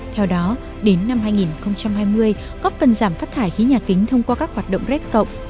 theo đó đến năm hai nghìn hai mươi có phần giảm phát thải khí nhà kính thông qua các hoạt động red cộng